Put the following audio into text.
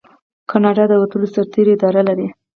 کاناډا د وتلو سرتیرو اداره لري.